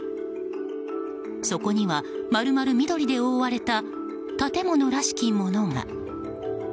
そこには丸々緑で覆われた建物らしきものが。